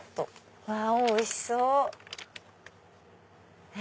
うわおいしそう！え？